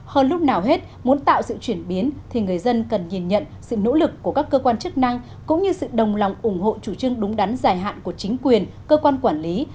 hơn lúc nào hết muốn tạo sự chuyển biến thì người dân cần nhìn nhận sự nỗ lực của các cơ quan chức năng cũng như sự đồng lòng ủng hộ chủ trương đúng đắn dài hạn của chính quyền cơ quan quản lý